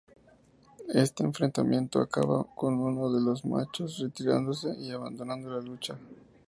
Este enfrentamiento acaba con uno de los machos retirándose y abandonando la lucha.